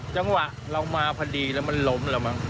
จังหวะเรามาพอดีแล้วมันล้มแล้วมั้ง